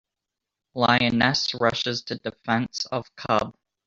Lioness Rushes to Defense of Cub.